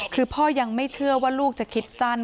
คือพ่อยังไม่เชื่อว่าลูกจะคิดสั้น